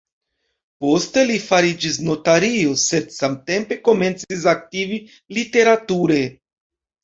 Poste li fariĝis notario, sed samtempe komencis aktivi literature.